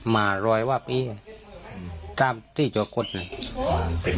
มารอยวาบอี่อ่ะอืมจ้ามที่จวคศนนนอ่ะอืมเป็นของ